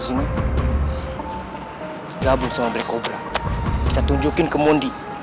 ya kamu bete aku telepon